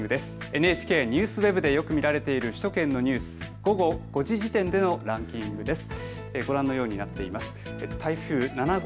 ＮＨＫＮＥＷＳＷＥＢでよく見られている首都圏のニュース、午後５時時点でのランキングです。